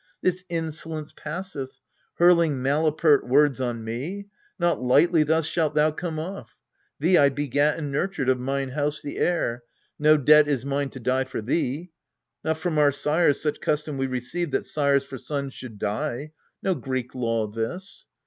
This insolence passeth ! hurling malapert words On me, not lightly thus shalt thou come off! Thee I begat and nurtured, of mine house The heir: no debt is mine to die for thee. Not from our sires such custom we received That sires for sons should die : no Greek law this.